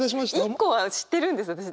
一個は知ってるんです私。